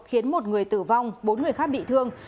khiến một người tử vong bốn người khác bị thương